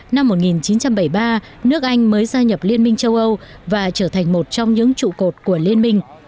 năm một nghìn chín trăm bảy mươi ba nước anh mới gia nhập liên minh châu âu và trở thành một trong những trụ cột của liên minh